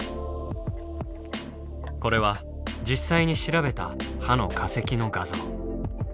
これは実際に調べた歯の化石の画像。